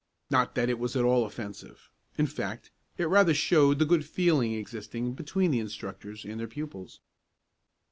Not that it was at all offensive; in fact, it rather showed the good feeling existing between the instructors and their pupils.